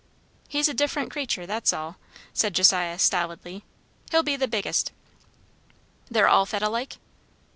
"He's a different critter that's all," said Josiah stolidly. "He'll be the biggest." "They're all fed alike?"